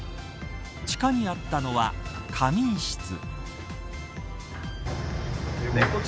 地下にあったのは仮眠室。